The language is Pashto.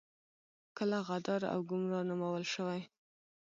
کله غدار او ګمرا نومول شوي.